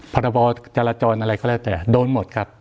พรบจราจรอะไรก็แล้วแต่โดนหมดครับ